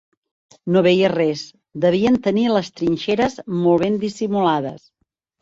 No veia res; devien tenir les trinxeres molt ben dissimulades.